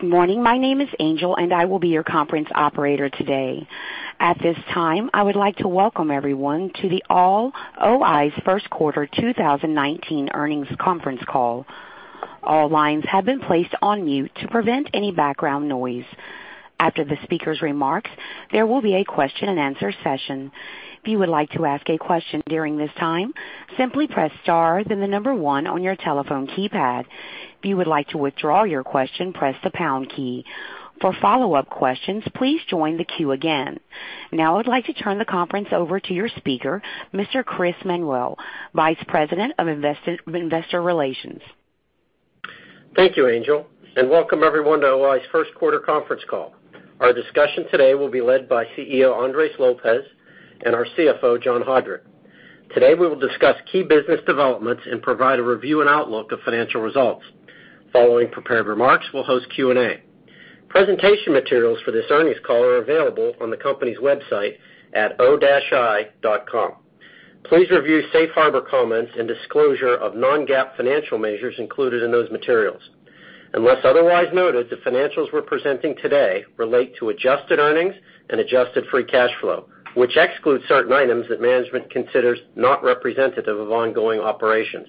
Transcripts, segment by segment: Good morning. My name is Angel, I will be your conference operator today. At this time, I would like to welcome everyone to O-I's first quarter 2019 earnings conference call. All lines have been placed on mute to prevent any background noise. After the speaker's remarks, there will be a question and answer session. If you would like to ask a question during this time, simply press star, then the number 1 on your telephone keypad. If you would like to withdraw your question, press the pound key. For follow-up questions, please join the queue again. Now I'd like to turn the conference over to your speaker, Mr. Chris Manuel, Vice President of Investor Relations. Thank you, Angel, welcome everyone to O-I's first quarter conference call. Our discussion today will be led by CEO Andres Lopez and our CFO John Haudrich. Today, we will discuss key business developments and provide a review and outlook of financial results. Following prepared remarks, we'll host Q&A. Presentation materials for this earnings call are available on the company's website at o-i.com. Please review safe harbor comments and disclosure of non-GAAP financial measures included in those materials. Unless otherwise noted, the financials we're presenting today relate to adjusted earnings and adjusted free cash flow, which excludes certain items that management considers not representative of ongoing operations.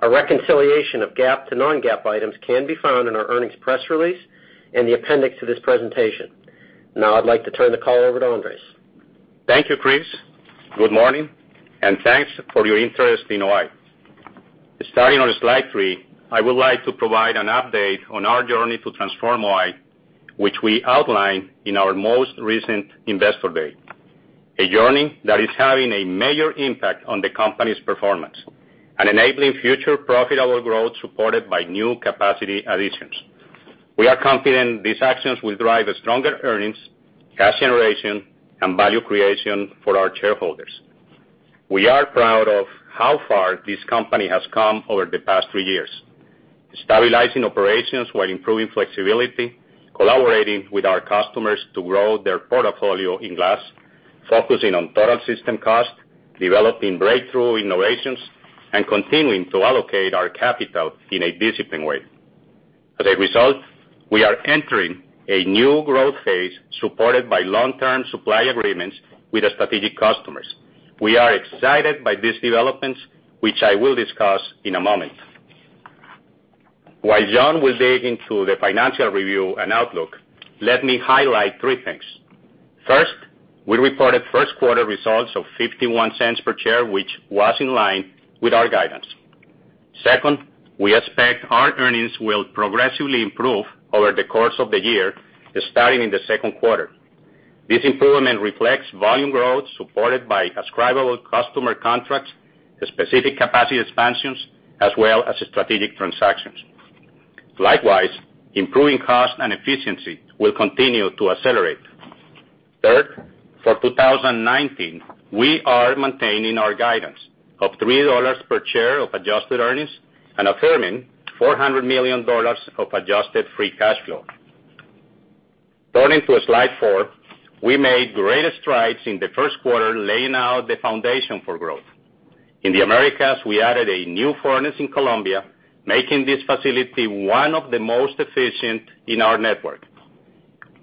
A reconciliation of GAAP to non-GAAP items can be found in our earnings press release and the appendix to this presentation. Now I'd like to turn the call over to Andres. Thank you, Chris. Good morning, thanks for your interest in O-I. Starting on slide three, I would like to provide an update on our journey to transform O-I, which we outlined in our most recent Investor Day. A journey that is having a major impact on the company's performance and enabling future profitable growth supported by new capacity additions. We are confident these actions will drive stronger earnings, cash generation, and value creation for our shareholders. We are proud of how far this company has come over the past three years, stabilizing operations while improving flexibility, collaborating with our customers to grow their portfolio in glass, focusing on total system cost, developing breakthrough innovations, and continuing to allocate our capital in a disciplined way. As a result, we are entering a new growth phase supported by long-term supply agreements with strategic customers. We are excited by these developments, which I will discuss in a moment. While John will dig into the financial review and outlook, let me highlight three things. First, we reported first quarter results of $0.51 per share, which was in line with our guidance. Second, we expect our earnings will progressively improve over the course of the year, starting in the second quarter. This improvement reflects volume growth supported by ascribable customer contracts, specific capacity expansions, as well as strategic transactions. Likewise, improving cost and efficiency will continue to accelerate. Third, for 2019, we are maintaining our guidance of $3 per share of adjusted earnings and affirming $400 million of adjusted free cash flow. Turning to slide four, we made great strides in the first quarter laying out the foundation for growth. In the Americas, we added a new furnace in Colombia, making this facility one of the most efficient in our network.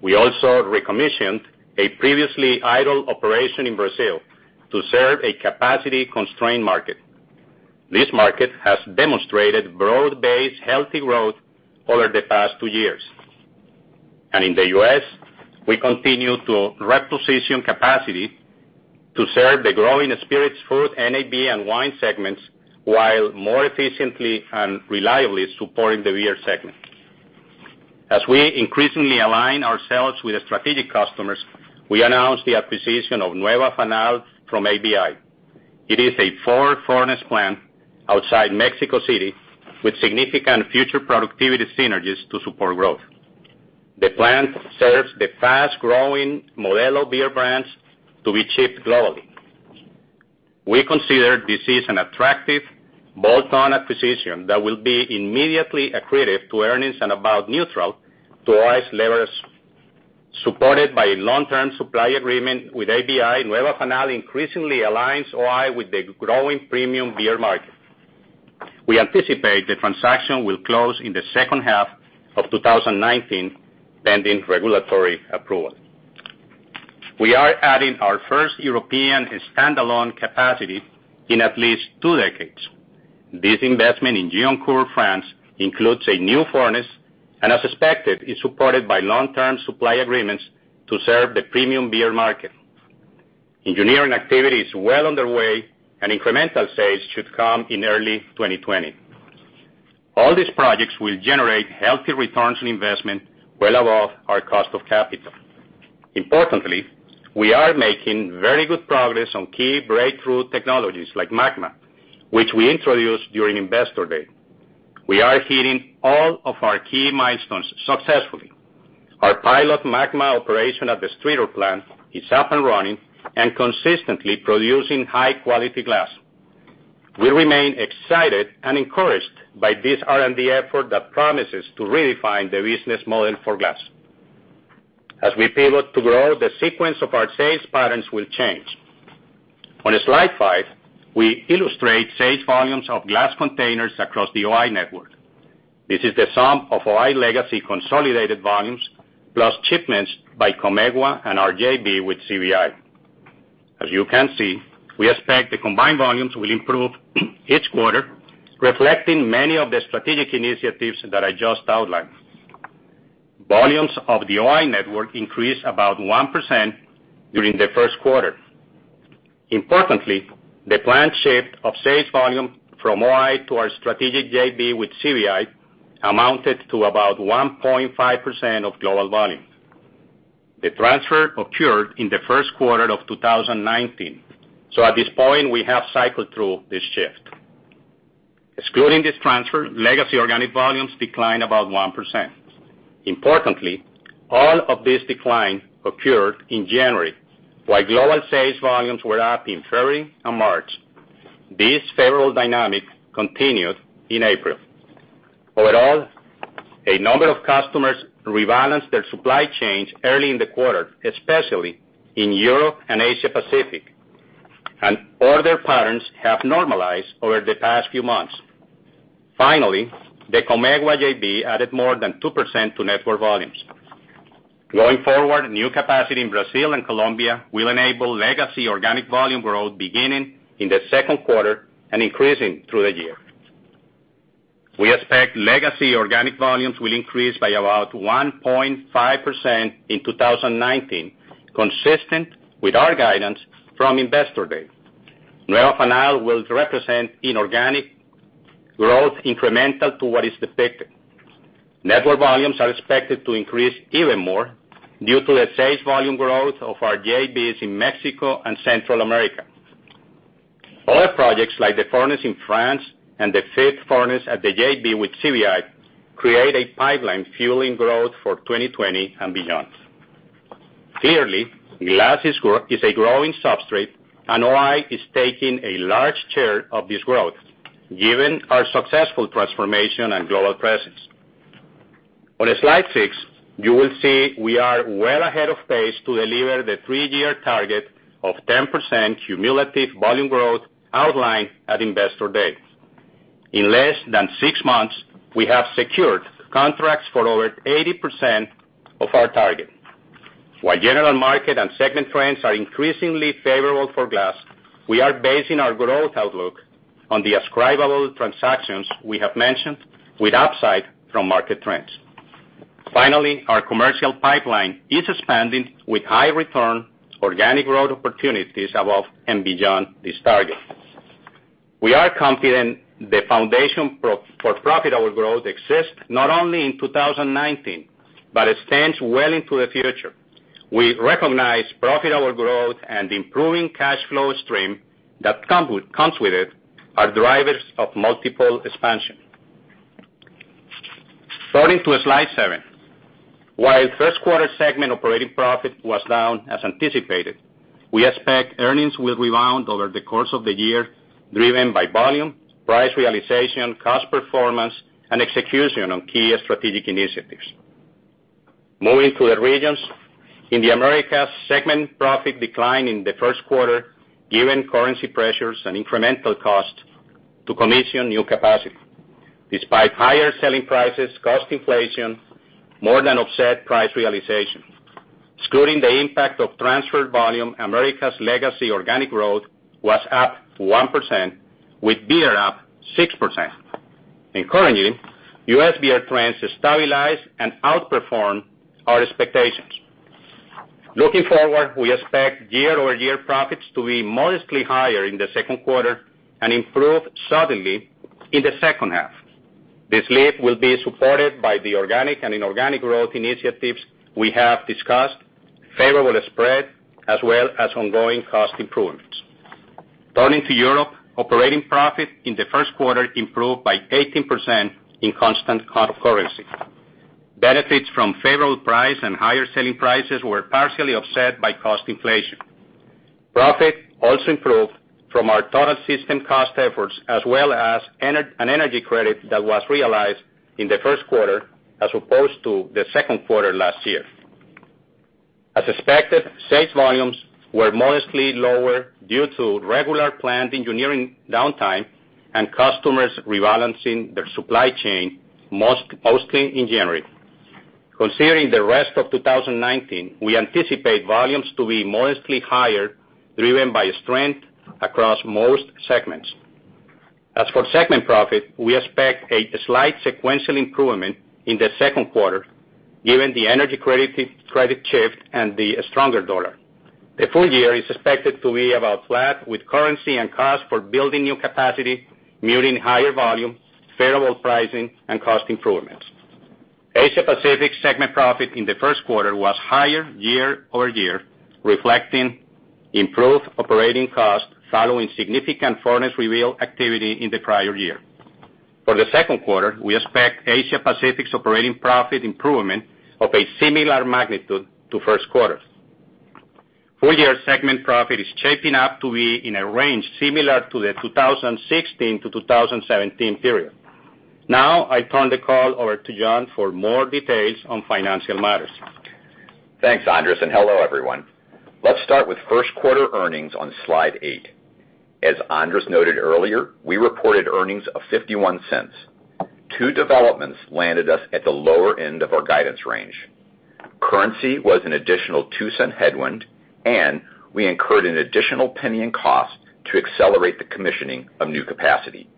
We also recommissioned a previously idle operation in Brazil to serve a capacity-constrained market. This market has demonstrated broad-based, healthy growth over the past two years. In the U.S., we continue to reposition capacity to serve the growing spirits, food, NAB, and wine segments, while more efficiently and reliably supporting the beer segment. As we increasingly align ourselves with strategic customers, we announced the acquisition of Nueva Fanal from ABI. It is a four-furnace plant outside Mexico City with significant future productivity synergies to support growth. The plant serves the fast-growing Modelo beer brands to be shipped globally. We consider this is an attractive bolt-on acquisition that will be immediately accretive to earnings and about neutral to O-I's levers. Supported by a long-term supply agreement with ABI, Nueva Fanal increasingly aligns O-I with the growing premium beer market. We anticipate the transaction will close in the second half of 2019, pending regulatory approval. We are adding our first European standalone capacity in at least two decades. This investment in Gironcourt, France includes a new furnace and as expected, is supported by long-term supply agreements to serve the premium beer market. Engineering activity is well underway, incremental sales should come in early 2020. All these projects will generate healthy returns on investment well above our cost of capital. Importantly, we are making very good progress on key breakthrough technologies like MAGMA, which we introduced during Investor Day. We are hitting all of our key milestones successfully. Our pilot MAGMA operation at the Streator plant is up and running and consistently producing high-quality glass. We remain excited and encouraged by this R&D effort that promises to redefine the business model for glass. As we pivot to grow, the sequence of our sales patterns will change. On slide five, we illustrate sales volumes of glass containers across the O-I network. This is the sum of O-I legacy consolidated volumes, plus shipments by Comegua and our JV with CBI. As you can see, we expect the combined volumes will improve each quarter, reflecting many of the strategic initiatives that I just outlined. Volumes of the O-I network increased about 1% during the first quarter. Importantly, the planned shift of sales volume from O-I to our strategic JV with CBI amounted to about 1.5% of global volume. The transfer occurred in the first quarter of 2019. At this point, we have cycled through this shift. Excluding this transfer, legacy organic volumes declined about 1%. Importantly, all of this decline occurred in January, while global sales volumes were up in February and March. This favorable dynamic continued in April. Overall, a number of customers rebalanced their supply chains early in the quarter, especially in Europe and Asia Pacific, and order patterns have normalized over the past few months. Finally, the Comegua JV added more than 2% to network volumes. Going forward, new capacity in Brazil and Colombia will enable legacy organic volume growth beginning in the second quarter and increasing through the year. We expect legacy organic volumes will increase by about 1.5% in 2019, consistent with our guidance from Investor Day. Nueva Fanal will represent inorganic growth incremental to what is depicted. Network volumes are expected to increase even more due to the sales volume growth of our JVs in Mexico and Central America. Other projects, like the furnace in France and the fifth furnace at the JV with CBI, create a pipeline fueling growth for 2020 and beyond. Clearly, glass is a growing substrate, and O-I is taking a large share of this growth, given our successful transformation and global presence. On slide six, you will see we are well ahead of pace to deliver the three-year target of 10% cumulative volume growth outlined at Investor Day. In less than six months, we have secured contracts for over 80% of our target. While general market and segment trends are increasingly favorable for glass, we are basing our growth outlook on the ascribable transactions we have mentioned with upside from market trends. Finally, our commercial pipeline is expanding with high-return organic growth opportunities above and beyond this target. We are confident the foundation for profitable growth exists not only in 2019, but extends well into the future. We recognize profitable growth and improving cash flow stream that comes with it are drivers of multiple expansion. Turning to slide seven. While first quarter segment operating profit was down as anticipated, we expect earnings will rebound over the course of the year, driven by volume, price realization, cost performance, and execution on key strategic initiatives. Moving to the regions. In the Americas, segment profit declined in the first quarter given currency pressures and incremental cost to commission new capacity. Despite higher selling prices, cost inflation more than offset price realization. Excluding the impact of transferred volume, Americas legacy organic growth was up 1%, with beer up 6%. Encouraging U.S. beer trends stabilize and outperform our expectations. Looking forward, we expect year-over-year profits to be modestly higher in the second quarter and improve suddenly in the second half. This lift will be supported by the organic and inorganic growth initiatives we have discussed, favorable spread, as well as ongoing cost improvements. Turning to Europe, operating profit in the first quarter improved by 18% in constant currency. Benefits from favorable price and higher selling prices were partially offset by cost inflation. Profit also improved from our total system cost efforts, as well as an energy credit that was realized in the first quarter, as opposed to the second quarter last year. As expected, sales volumes were modestly lower due to regular planned engineering downtime and customers rebalancing their supply chain, mostly in January. Considering the rest of 2019, we anticipate volumes to be modestly higher, driven by strength across most segments. As for segment profit, we expect a slight sequential improvement in the second quarter given the energy credit shift and the stronger dollar. The full year is expected to be about flat, with currency and cost for building new capacity muting higher volume, favorable pricing, and cost improvements. Asia Pacific segment profit in the first quarter was higher year-over-year, reflecting improved operating costs following significant furnace rebuild activity in the prior year. For the second quarter, we expect Asia Pacific's operating profit improvement of a similar magnitude to first quarter. Full year segment profit is shaping up to be in a range similar to the 2016 to 2017 period. Now, I turn the call over to John for more details on financial matters. Thanks, Andres. Hello, everyone. Let's start with first quarter earnings on slide eight. As Andres noted earlier, we reported earnings of $0.51. Two developments landed us at the lower end of our guidance range. Currency was an additional $0.02 headwind, and we incurred an additional $0.01 in cost to accelerate the commissioning of new capacity.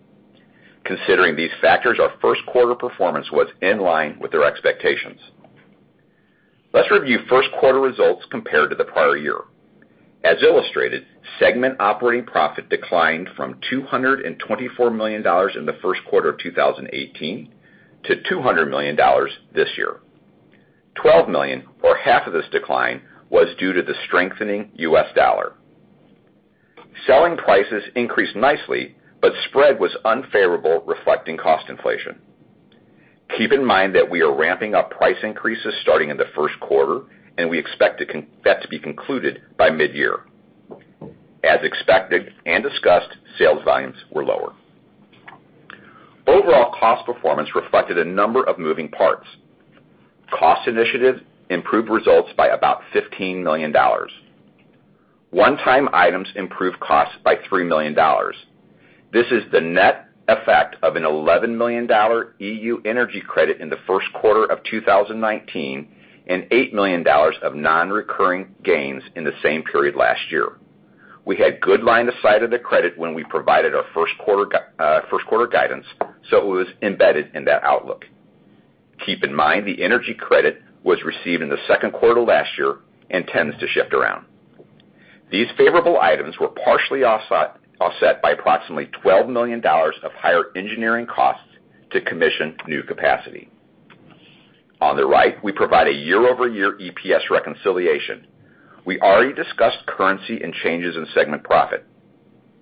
Considering these factors, our first quarter performance was in line with their expectations. Let's review first quarter results compared to the prior year. As illustrated, segment operating profit declined from $224 million in the first quarter of 2018 to $200 million this year. $12 million, or half of this decline, was due to the strengthening U.S. dollar. Selling prices increased nicely, but spread was unfavorable, reflecting cost inflation. Keep in mind that we are ramping up price increases starting in the first quarter, and we expect that to be concluded by midyear. As expected and discussed, sales volumes were lower. Overall cost performance reflected a number of moving parts. Cost initiatives improved results by about $15 million. One-time items improved costs by $3 million. This is the net effect of an $11 million EU energy credit in the first quarter of 2019 and $8 million of non-recurring gains in the same period last year. We had good line of sight of the credit when we provided our first-quarter guidance, so it was embedded in that outlook. Keep in mind, the energy credit was received in the second quarter last year and tends to shift around. These favorable items were partially offset by approximately $12 million of higher engineering costs to commission new capacity. On the right, we provide a year-over-year EPS reconciliation. We already discussed currency and changes in segment profit.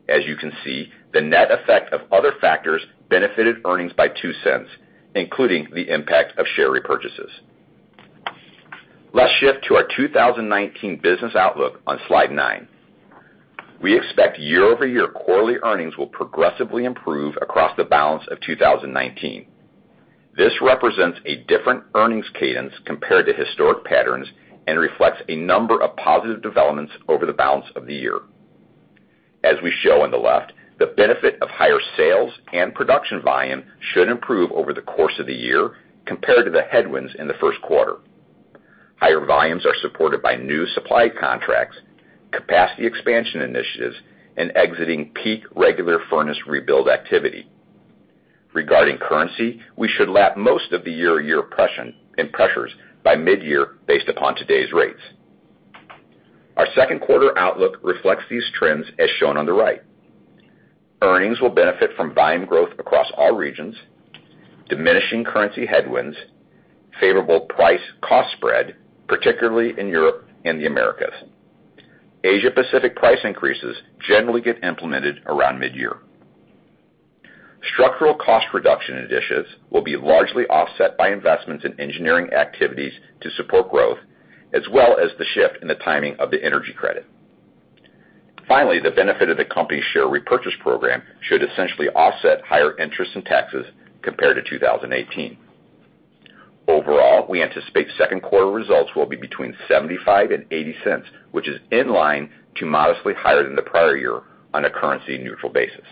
As you can see, the net effect of other factors benefited earnings by $0.02, including the impact of share repurchases. Let's shift to our 2019 business outlook on slide nine. We expect year-over-year quarterly earnings will progressively improve across the balance of 2019. This represents a different earnings cadence compared to historic patterns and reflects a number of positive developments over the balance of the year. As we show on the left, the benefit of higher sales and production volume should improve over the course of the year compared to the headwinds in the first quarter. Higher volumes are supported by new supply contracts, capacity expansion initiatives, and exiting peak regular furnace rebuild activity. Regarding currency, we should lap most of the year-over-year pressures by mid-year based upon today's rates. Our second quarter outlook reflects these trends, as shown on the right. Earnings will benefit from volume growth across all regions, diminishing currency headwinds, favorable price cost spread, particularly in Europe and the Americas. Asia Pacific price increases generally get implemented around mid-year. Structural cost reduction initiatives will be largely offset by investments in engineering activities to support growth, as well as the shift in the timing of the energy credit. Finally, the benefit of the company's share repurchase program should essentially offset higher interest and taxes compared to 2018. Overall, we anticipate second quarter results will be between $0.75-$0.80, which is in line to modestly higher than the prior year on a currency-neutral basis.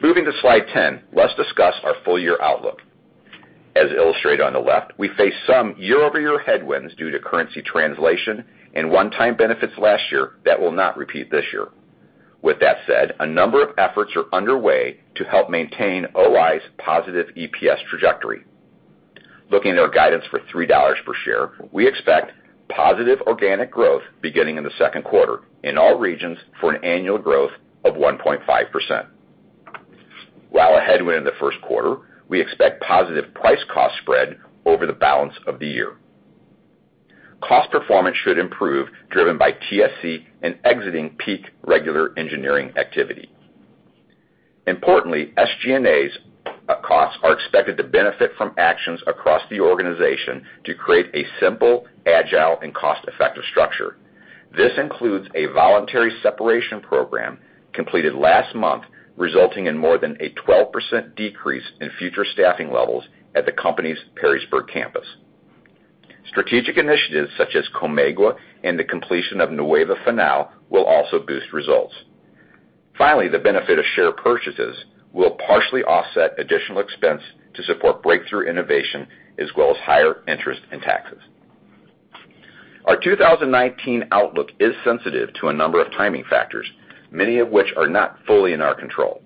Moving to slide 10, let's discuss our full year outlook. As illustrated on the left, we face some year-over-year headwinds due to currency translation and one-time benefits last year that will not repeat this year. With that said, a number of efforts are underway to help maintain O-I's positive EPS trajectory. Looking at our guidance for $3 per share, we expect positive organic growth beginning in the second quarter in all regions for an annual growth of 1.5%. While a headwind in the first quarter, we expect positive price cost spread over the balance of the year. Cost performance should improve, driven by TSE and exiting peak regular engineering activity. Importantly, SGA's costs are expected to benefit from actions across the organization to create a simple, agile and cost-effective structure. This includes a voluntary separation program completed last month, resulting in more than a 12% decrease in future staffing levels at the company's Perrysburg campus. Strategic initiatives such as Comegua and the completion of Nueva Fanal will also boost results. The benefit of share purchases will partially offset additional expense to support breakthrough innovation, as well as higher interest and taxes. Our 2019 outlook is sensitive to a number of timing factors, many of which are not fully in our control.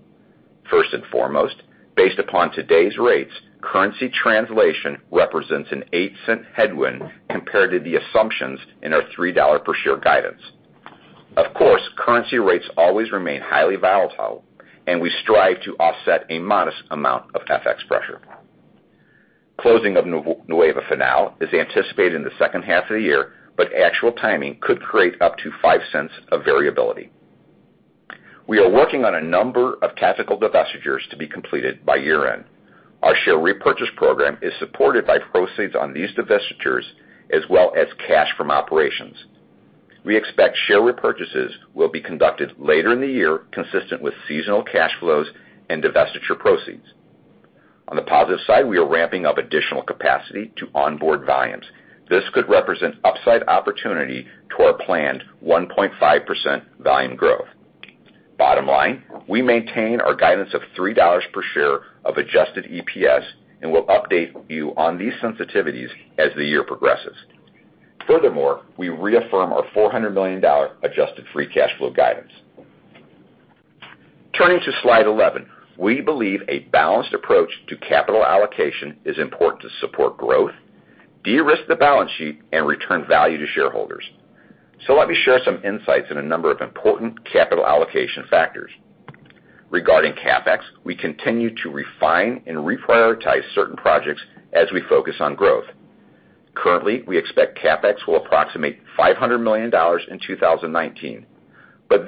First and foremost, based upon today's rates, currency translation represents an $0.08 headwind compared to the assumptions in our $3 per share guidance. Of course, currency rates always remain highly volatile, and we strive to offset a modest amount of FX pressure. Closing of Nueva Fanal is anticipated in the second half of the year, but actual timing could create up to $0.05 of variability. We are working on a number of tactical divestitures to be completed by year-end. Our share repurchase program is supported by proceeds on these divestitures, as well as cash from operations. We expect share repurchases will be conducted later in the year, consistent with seasonal cash flows and divestiture proceeds. On the positive side, we are ramping up additional capacity to onboard volumes. This could represent upside opportunity to our planned 1.5% volume growth. Bottom line, we maintain our guidance of $3 per share of adjusted EPS, and we'll update you on these sensitivities as the year progresses. Furthermore, we reaffirm our $400 million adjusted free cash flow guidance. Turning to Slide 11. We believe a balanced approach to capital allocation is important to support growth, de-risk the balance sheet, and return value to shareholders. Let me share some insights on a number of important capital allocation factors. Regarding CapEx, we continue to refine and reprioritize certain projects as we focus on growth. Currently, we expect CapEx will approximate $500 million in 2019.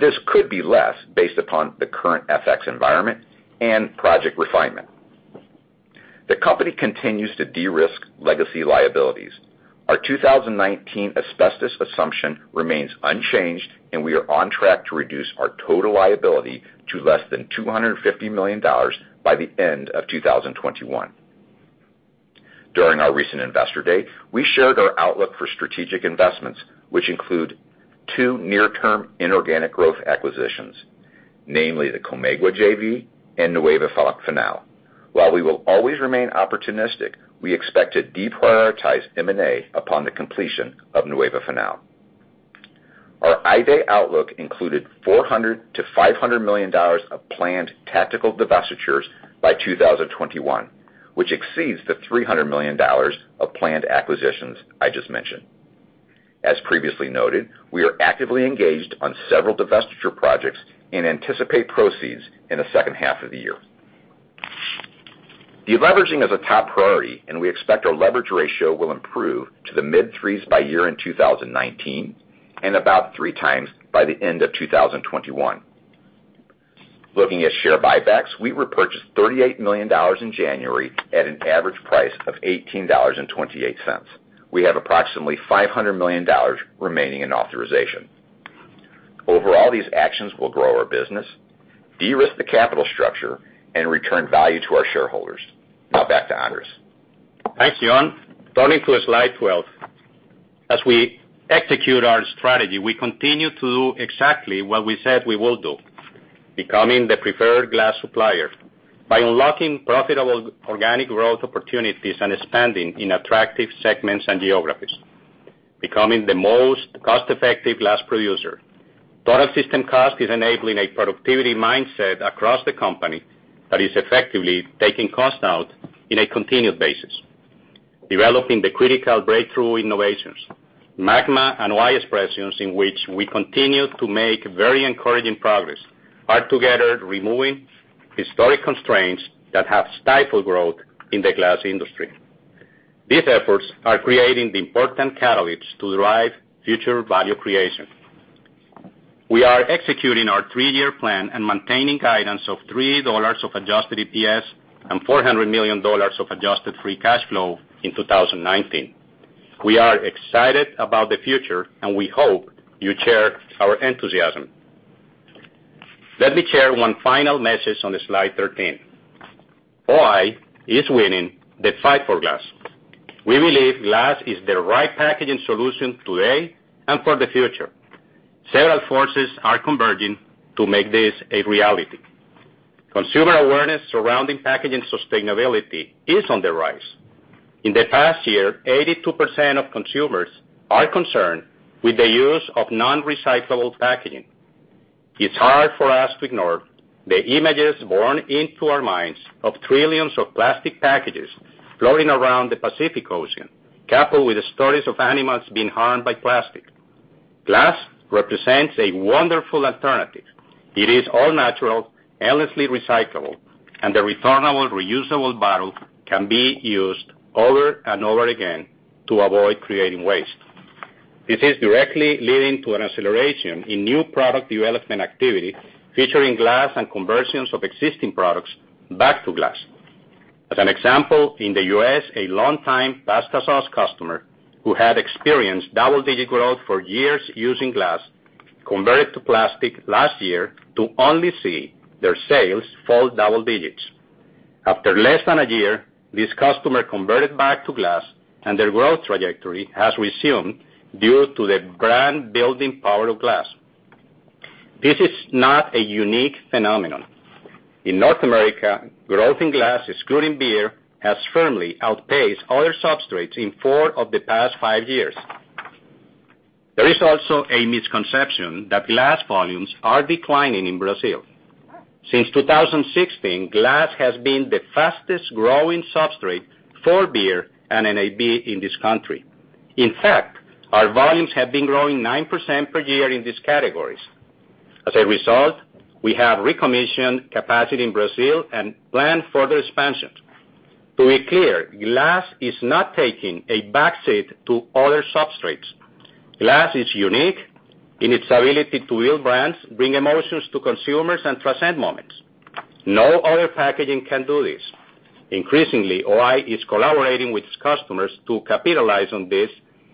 This could be less based upon the current FX environment and project refinement. The company continues to de-risk legacy liabilities. Our 2019 asbestos assumption remains unchanged, and we are on track to reduce our total liability to less than $250 million by the end of 2021. During our recent Investor Day, we shared our outlook for strategic investments, which include two near-term inorganic growth acquisitions, namely the Comegua JV and Nueva Fanal. While we will always remain opportunistic, we expect to deprioritize M&A upon the completion of Nueva Fanal. Our I-Day outlook included $400 million-$500 million of planned tactical divestitures by 2021, which exceeds the $300 million of planned acquisitions I just mentioned. As previously noted, we are actively engaged on several divestiture projects and anticipate proceeds in the second half of the year. Deleveraging is a top priority, and we expect our leverage ratio will improve to the mid-threes by year-end 2019, and about three times by the end of 2021. Looking at share buybacks, we repurchased $38 million in January at an average price of $18.28. We have approximately $500 million remaining in authorization. Overall, these actions will grow our business, de-risk the capital structure, and return value to our shareholders. Now back to Andres. Thanks, John. Turning to Slide 12. As we execute our strategy, we continue to do exactly what we said we will do. Becoming the preferred glass supplier by unlocking profitable organic growth opportunities and expanding in attractive segments and geographies. Becoming the most cost-effective glass producer. Total system cost is enabling a productivity mindset across the company that is effectively taking cost out in a continued basis. Developing the critical breakthrough innovations. MAGMA and O-I: EXPRESSIONS, in which we continue to make very encouraging progress, are together removing historic constraints that have stifled growth in the glass industry. These efforts are creating the important catalysts to drive future value creation. We are executing our three-year plan and maintaining guidance of $3 of adjusted EPS and $400 million of adjusted free cash flow in 2019. We are excited about the future, and we hope you share our enthusiasm. Let me share one final message on Slide 13. O-I is winning the fight for glass. We believe glass is the right packaging solution today and for the future. Several forces are converging to make this a reality. Consumer awareness surrounding packaging sustainability is on the rise. In the past year, 82% of consumers are concerned with the use of non-recyclable packaging. It's hard for us to ignore the images burned into our minds of trillions of plastic packages floating around the Pacific Ocean, coupled with stories of animals being harmed by plastic. Glass represents a wonderful alternative. It is all natural, endlessly recyclable, and the returnable reusable bottle can be used over and over again to avoid creating waste. This is directly leading to an acceleration in new product development activity featuring glass and conversions of existing products back to glass. As an example, in the U.S., a longtime pasta sauce customer who had experienced double-digit growth for years using glass converted to plastic last year to only see their sales fall double digits. After less than a year, this customer converted back to glass, and their growth trajectory has resumed due to the brand-building power of glass. This is not a unique phenomenon. In North America, growth in glass, excluding beer, has firmly outpaced other substrates in four of the past five years. There is also a misconception that glass volumes are declining in Brazil. Since 2016, glass has been the fastest-growing substrate for beer and NAB in this country. In fact, our volumes have been growing 9% per year in these categories. As a result, we have recommissioned capacity in Brazil and plan further expansions. To be clear, glass is not taking a back seat to other substrates. Glass is unique in its ability to build brands, bring emotions to consumers, and transcend moments. No other packaging can do this. Increasingly, O-I is collaborating with its customers to capitalize on this,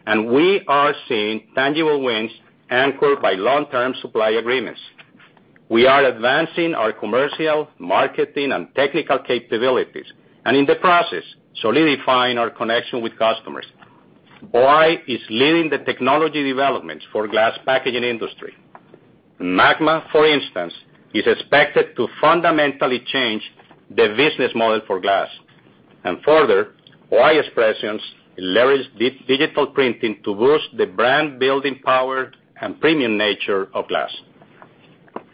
and we are seeing tangible wins anchored by long-term supply agreements. We are advancing our commercial, marketing, and technical capabilities, and in the process, solidifying our connection with customers. O-I is leading the technology developments for glass packaging industry. MAGMA, for instance, is expected to fundamentally change the business model for glass. Further, O-I: EXPRESSIONS leverage digital printing to boost the brand-building power and premium nature of glass.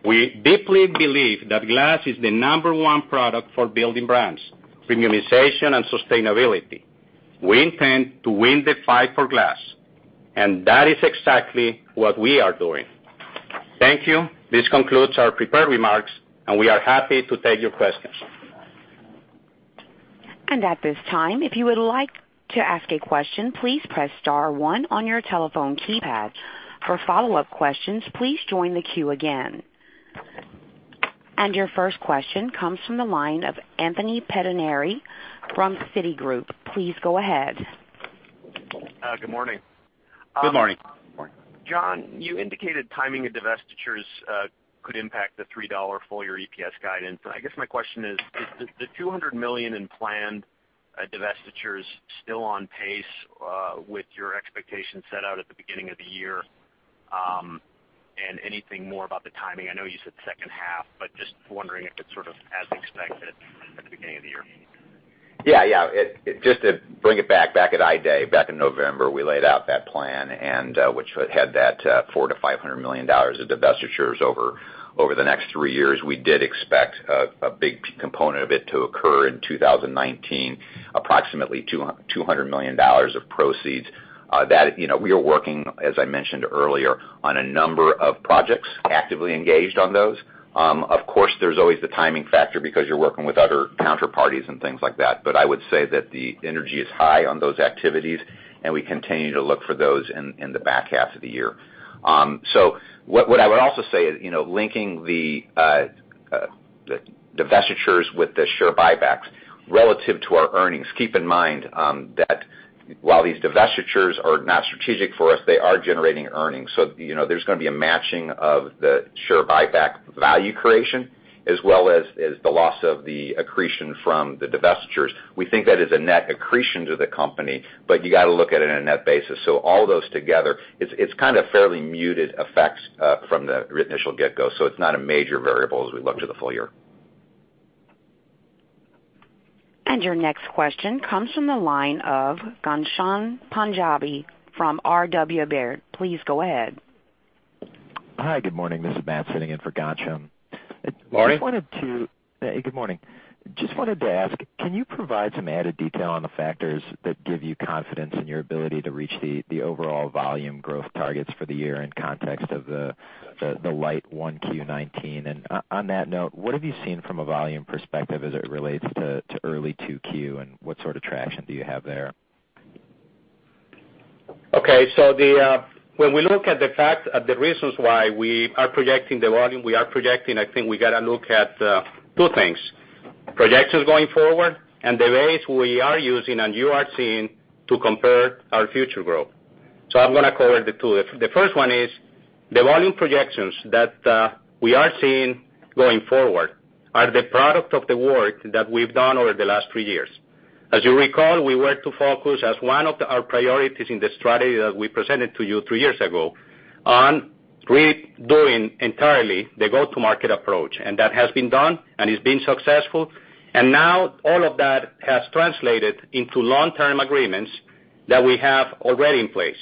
We deeply believe that glass is the number one product for building brands, premiumization, and sustainability. We intend to win the fight for glass, that is exactly what we are doing. Thank you. This concludes our prepared remarks, we are happy to take your questions. At this time, if you would like to ask a question, please press star one on your telephone keypad. For follow-up questions, please join the queue again. Your first question comes from the line of Anthony Pettinari from Citi. Please go ahead. Good morning. Good morning. John, you indicated timing of divestitures could impact the $3 full year EPS guidance. I guess my question is the $200 million in planned divestitures still on pace with your expectations set out at the beginning of the year? Anything more about the timing? I know you said second half, but just wondering if it's sort of as expected at the beginning of the year. Yeah. Just to bring it back at I Day, back in November, we laid out that plan, which had that $400 million-$500 million of divestitures over the next three years. We did expect a big component of it to occur in 2019, approximately $200 million of proceeds. We are working, as I mentioned earlier, on a number of projects, actively engaged on those. Of course, there's always the timing factor because you're working with other counterparties and things like that. I would say that the energy is high on those activities, and we continue to look for those in the back half of the year. What I would also say is, linking the divestitures with the share buybacks relative to our earnings. Keep in mind that while these divestitures are not strategic for us, they are generating earnings. There's going to be a matching of the share buyback value creation as well as the loss of the accretion from the divestitures. We think that is a net accretion to the company, but you got to look at it on a net basis. All those together, it's kind of fairly muted effects from the initial get-go. It's not a major variable as we look to the full year. Your next question comes from the line of Ghansham Panjabi from R.W. Baird. Please go ahead. Hi, good morning. This is Matt sitting in for Ghansham. Morning. Good morning. Just wanted to ask, can you provide some added detail on the factors that give you confidence in your ability to reach the overall volume growth targets for the year in context of the light 1Q19? On that note, what have you seen from a volume perspective as it relates to early 2Q, and what sort of traction do you have there? When we look at the reasons why we are projecting the volume we are projecting, I think we got to look at two things, projections going forward, and the ways we are using and you are seeing to compare our future growth. I'm going to cover the two. The first one is the volume projections that we are seeing going forward are the product of the work that we've done over the last three years. As you recall, we were to focus as one of our priorities in the strategy that we presented to you three years ago on redoing entirely the go-to-market approach, that has been done and it's been successful. Now all of that has translated into long-term agreements that we have already in place.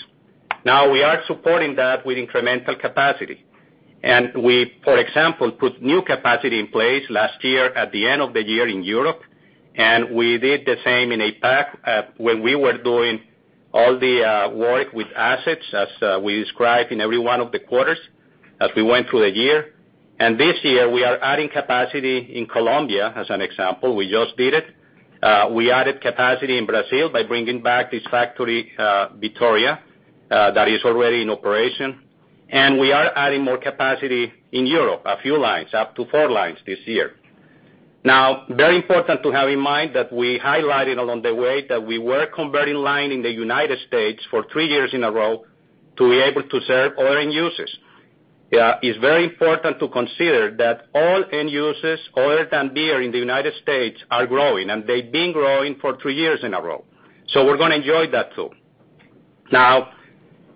Now we are supporting that with incremental capacity. We, for example, put new capacity in place last year at the end of the year in Europe, and we did the same in APAC, when we were doing all the work with assets as we described in every one of the quarters as we went through the year. This year, we are adding capacity in Colombia, as an example. We just did it. We added capacity in Brazil by bringing back this factory, Vitória, that is already in operation. We are adding more capacity in Europe, a few lines, up to four lines this year. Very important to have in mind that we highlighted along the way that we were converting line in the U.S. for three years in a row to be able to serve all end users. It's very important to consider that all end users other than beer in the U.S. are growing, and they've been growing for three years in a row. We're going to enjoy that, too.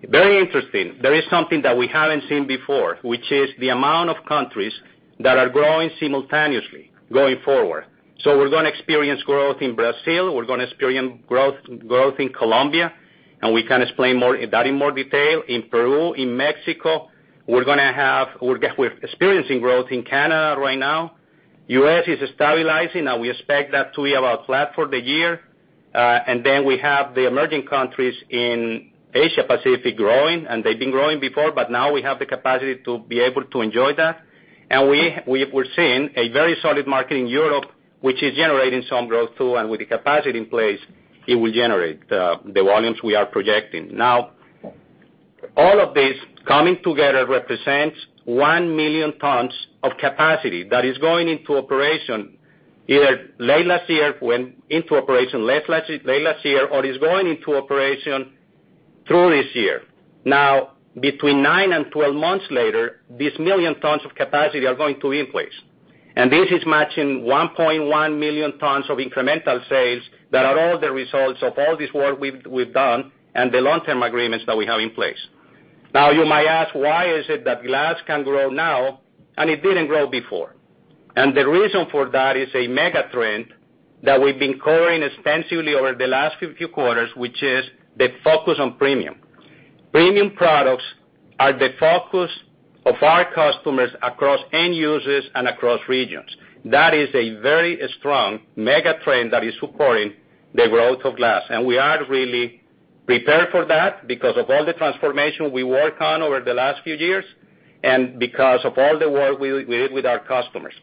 Very interesting. There is something that we haven't seen before, which is the amount of countries that are growing simultaneously going forward. We're going to experience growth in Brazil, we're going to experience growth in Colombia, and we can explain that in more detail. We're experiencing growth in Peru, in Mexico. We're experiencing growth in Canada right now. U.S. is stabilizing, and we expect that to be about flat for the year. We have the emerging countries in Asia Pacific growing, and they've been growing before, but now we have the capacity to be able to enjoy that. We're seeing a very solid market in Europe, which is generating some growth too, and with the capacity in place, it will generate the volumes we are projecting. All of this coming together represents 1 million tons of capacity that is going into operation either late last year, went into operation late last year, or is going into operation through this year. Between 9 and 12 months later, these million tons of capacity are going to be in place. This is matching 1.1 million tons of incremental sales that are all the results of all this work we've done and the long-term agreements that we have in place. You might ask, why is it that glass can grow now and it didn't grow before? The reason for that is a mega trend that we've been covering extensively over the last few quarters, which is the focus on premium. Premium products are the focus of our customers across end users and across regions. That is a very strong mega trend that is supporting the growth of glass, and we are really prepared for that because of all the transformation we worked on over the last few years and because of all the work we did with our customers.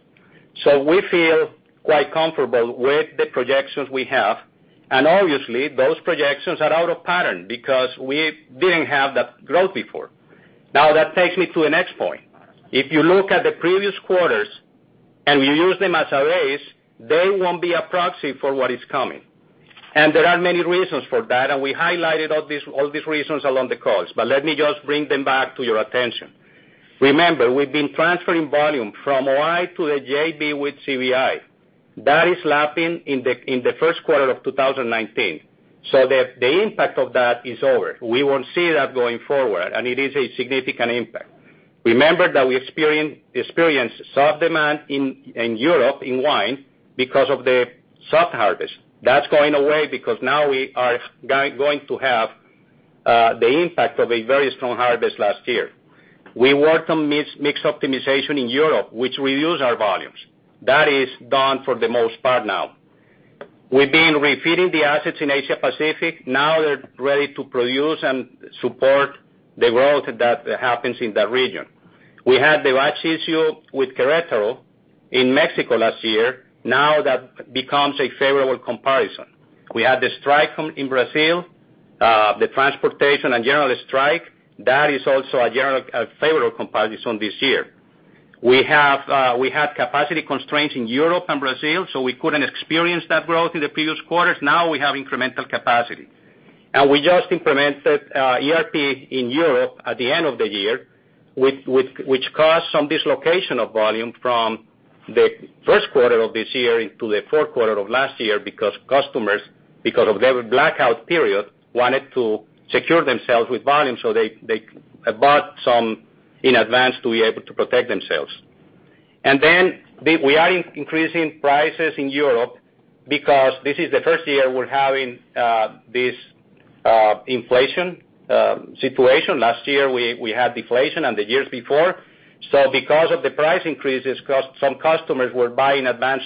We feel quite comfortable with the projections we have. Obviously those projections are out of pattern because we didn't have that growth before. That takes me to the next point. If you look at the previous quarters and you use them as a base, they won't be a proxy for what is coming. There are many reasons for that, and we highlighted all these reasons along the calls. Let me just bring them back to your attention. Remember, we've been transferring volume from O-I to the JV with CBI. That is lapping in the first quarter of 2019. The impact of that is over. We won't see that going forward, and it is a significant impact. Remember that we experienced soft demand in Europe in wine because of the soft harvest. That's going away because now we are going to have the impact of a very strong harvest last year. We worked on mix optimization in Europe, which reduced our volumes. That is done for the most part now. We've been refitting the assets in Asia Pacific. They're ready to produce and support the growth that happens in the region. We had the fire issue with Querétaro in Mexico last year. Now that becomes a favorable comparison. We had the strike in Brazil, the transportation and general strike. That is also a general favorable comparison this year. We had capacity constraints in Europe and Brazil, so we couldn't experience that growth in the previous quarters. Now we have incremental capacity. We just implemented ERP in Europe at the end of the year, which caused some dislocation of volume from the first quarter of this year into the fourth quarter of last year because customers, because of their blackout period, wanted to secure themselves with volume, so they bought some in advance to be able to protect themselves. Then we are increasing prices in Europe because this is the first year we're having this inflation situation. Last year, we had deflation, and the years before. Because of the price increases, some customers were buying in advance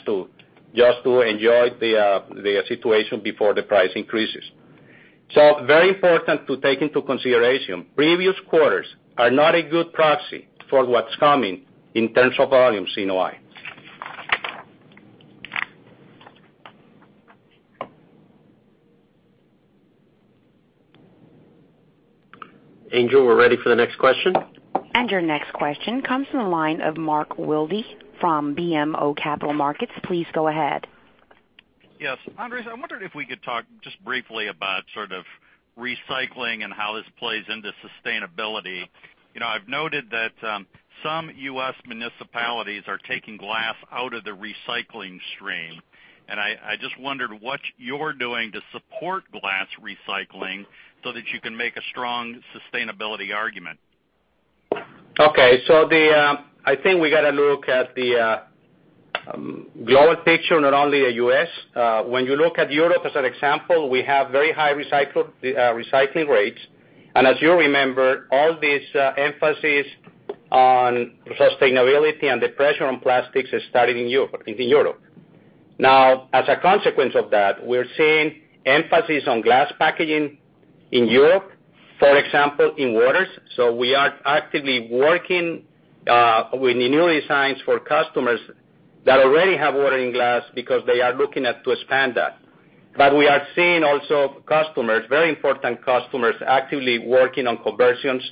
just to enjoy the situation before the price increases. Very important to take into consideration. Previous quarters are not a good proxy for what's coming in terms of volumes in O-I. Angel, we're ready for the next question. Your next question comes from the line of Mark Wilde from BMO Capital Markets. Please go ahead. Yes. Andres, I wondered if we could talk just briefly about recycling and how this plays into sustainability. I've noted that some U.S. municipalities are taking glass out of the recycling stream. I just wondered what you're doing to support glass recycling so that you can make a strong sustainability argument. Okay, I think we got to look at the global picture, not only U.S. When you look at Europe as an example, we have very high recycling rates. As you remember, all this emphasis on sustainability and the pressure on plastics started in Europe. Now, as a consequence of that, we're seeing emphasis on glass packaging in Europe, for example, in waters. We are actively working with new designs for customers that already have water in glass because they are looking at to expand that. We are seeing also customers, very important customers, actively working on conversions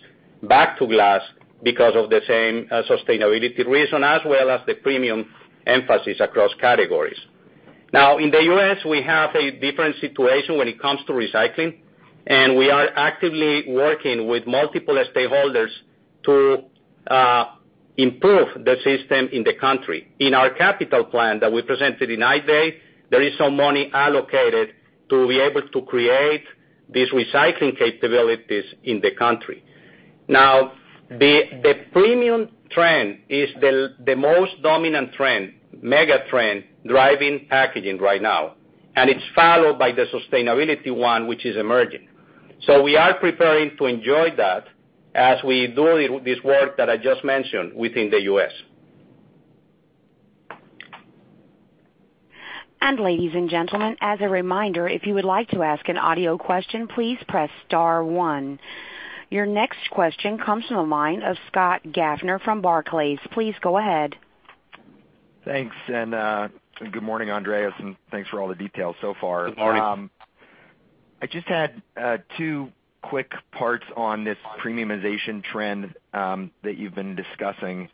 back to glass because of the same sustainability reason as well as the premium emphasis across categories. Now, in the U.S., we have a different situation when it comes to recycling. We are actively working with multiple stakeholders to improve the system in the country. In our capital plan that we presented in Investor Day, there is some money allocated to be able to create these recycling capabilities in the country. Now, the premium trend is the most dominant trend, mega trend, driving packaging right now. It's followed by the sustainability one, which is emerging. We are preparing to enjoy that as we do this work that I just mentioned within the U.S. Ladies and gentlemen, as a reminder, if you would like to ask an audio question, please press star one. Your next question comes from the mind of Scott Gaffner from Barclays. Please go ahead. Thanks. Good morning, Andres, and thanks for all the details so far. Good morning. I just had two quick parts on this premiumization trend that you've been discussing.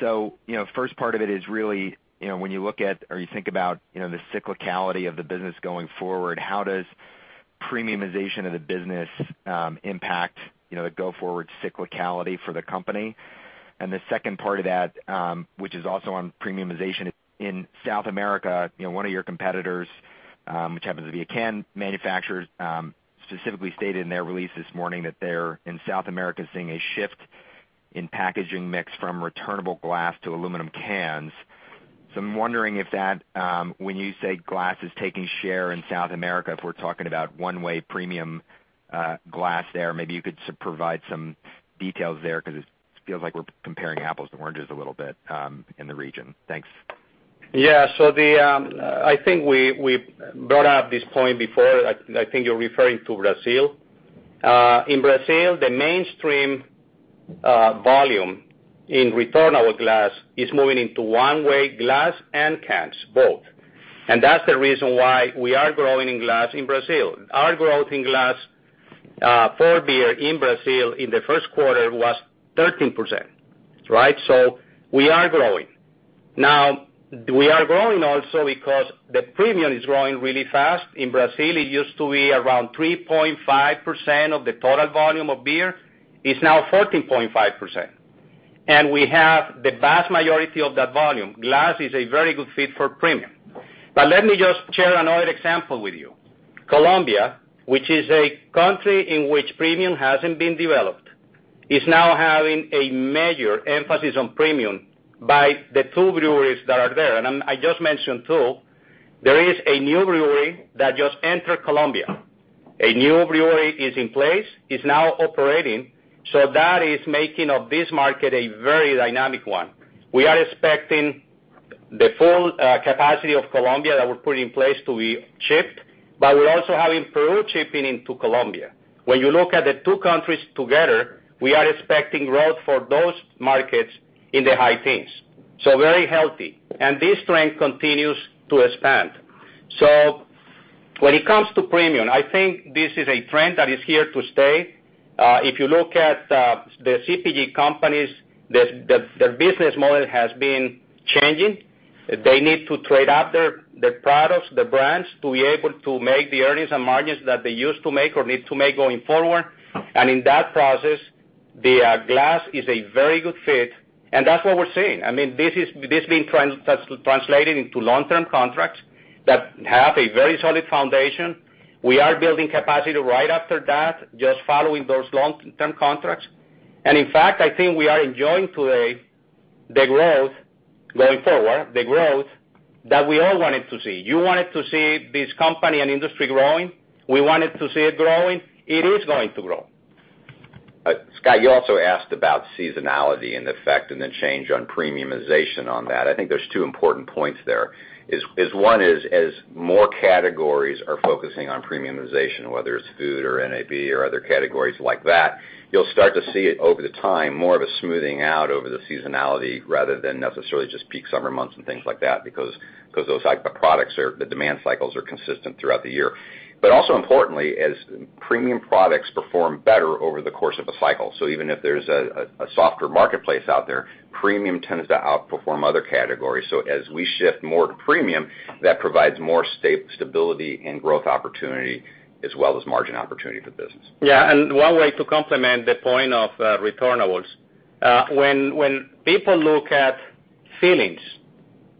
First part of it is really when you look at or you think about the cyclicality of the business going forward, how does premiumization of the business impact the go-forward cyclicality for the company? The second part of that, which is also on premiumization, in South America, one of your competitors, which happens to be a can manufacturer, specifically stated in their release this morning that they're, in South America, seeing a shift in packaging mix from returnable glass to aluminum cans. I'm wondering if that, when you say glass is taking share in South America, if we're talking about one-way premium glass there, maybe you could provide some details there because it feels like we're comparing apples to oranges a little bit in the region. Thanks. Yeah. I think we brought up this point before. I think you're referring to Brazil. In Brazil, the mainstream volume in returnable glass is moving into one-way glass and cans, both. That's the reason why we are growing in glass in Brazil. Our growth in glass for beer in Brazil in the first quarter was 13%, right? We are growing. Now, we are growing also because the premium is growing really fast. In Brazil, it used to be around 3.5% of the total volume of beer. It's now 14.5%. We have the vast majority of that volume. Glass is a very good fit for premium. Let me just share another example with you. Colombia, which is a country in which premium hasn't been developed, is now having a major emphasis on premium by the two breweries that are there. I just mentioned two. There is a new brewery that just entered Colombia. A new brewery is in place, is now operating. That is making of this market a very dynamic one. We are expecting the full capacity of Colombia that we're putting in place to be shipped, but we're also having Peru shipping into Colombia. When you look at the two countries together, we are expecting growth for those markets in the high teens. Very healthy. This trend continues to expand. When it comes to premium, I think this is a trend that is here to stay. If you look at the CPG companies, their business model has been changing. They need to trade up their products, their brands, to be able to make the earnings and margins that they used to make or need to make going forward. In that process, the glass is a very good fit. That's what we're seeing. This being translated into long-term contracts that have a very solid foundation. We are building capacity right after that, just following those long-term contracts. In fact, I think we are enjoying today the growth going forward, the growth that we all wanted to see. You wanted to see this company and industry growing. We wanted to see it growing. It is going to grow. Scott, you also asked about seasonality and the effect and the change on premiumization on that. I think there's two important points there, is one is, as more categories are focusing on premiumization, whether it's food or NAB or other categories like that, you'll start to see it over the time, more of a smoothing out over the seasonality rather than necessarily just peak summer months and things like that, because those products, the demand cycles are consistent throughout the year. Also importantly, as premium products perform better over the course of a cycle. Even if there's a softer marketplace out there, premium tends to outperform other categories. As we shift more to premium, that provides more stability and growth opportunity as well as margin opportunity for the business. Yeah. One way to complement the point of returnables, when people look at fillings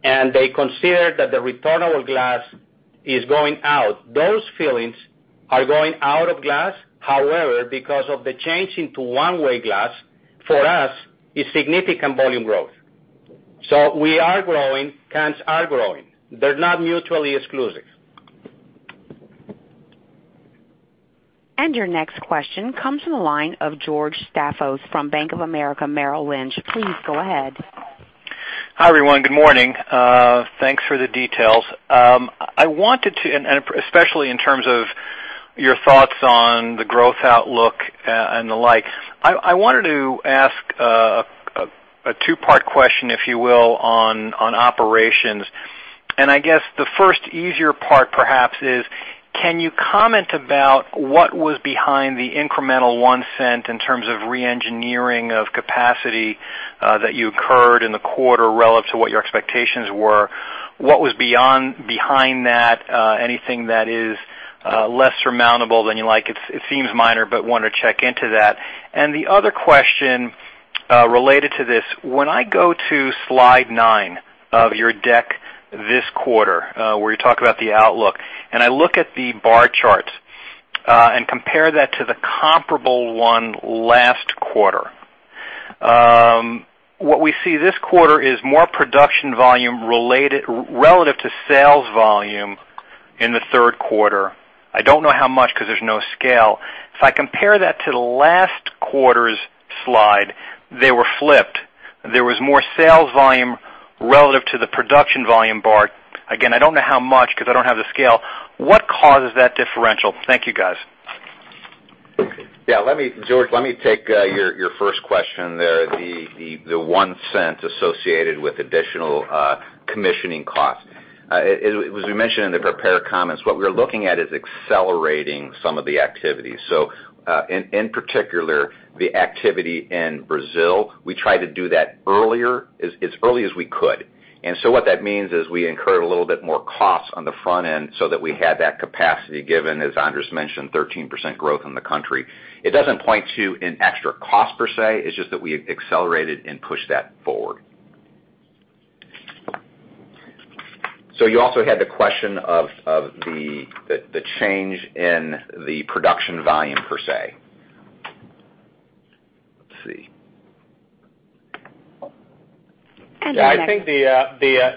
and they consider that the returnable glass is going out, those fillings are going out of glass. However, because of the change into one-way glass, for us, it's significant volume growth. We are growing, cans are growing. They're not mutually exclusive. Your next question comes from the line of George Staphos from Bank of America Merrill Lynch. Please go ahead. Hi, everyone. Good morning. Thanks for the details. Especially in terms of your thoughts on the growth outlook and the like, I wanted to ask a two-part question, if you will, on operations. I guess the first easier part perhaps is, can you comment about what was behind the incremental $0.01 in terms of re-engineering of capacity that you occurred in the quarter relative to what your expectations were? What was behind that? Anything that is less surmountable than you like? It seems minor, but wanted to check into that. The other question related to this, when I go to slide nine of your deck this quarter, where you talk about the outlook, and I look at the bar charts and compare that to the comparable one last quarter, what we see this quarter is more production volume relative to sales volume in the third quarter. I don't know how much, because there's no scale. If I compare that to the last quarter's slide, they were flipped. There was more sales volume relative to the production volume bar. Again, I don't know how much, because I don't have the scale. What causes that differential? Thank you, guys. Yeah, George, let me take your first question there, the $0.01 associated with additional commissioning costs. As we mentioned in the prepared comments, what we're looking at is accelerating some of the activities. In particular, the activity in Brazil, we try to do that as early as we could. What that means is we incurred a little bit more costs on the front end so that we had that capacity given, as Andres mentioned, 13% growth in the country. It doesn't point to an extra cost per se. It's just that we accelerated and pushed that forward. You also had the question of the change in the production volume, per se. Let's see. Your next question. Yeah, I think